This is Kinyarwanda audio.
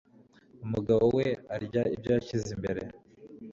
Umugabo we arya ibyo yashyize imbere.